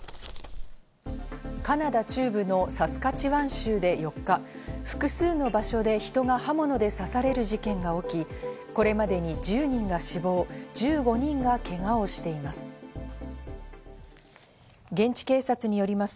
カナダ中部のサスカチワン州で４日、複数の場所で人が刃物で刺される事件が起き、これまでに１０人が死亡、１５人がけがをしています。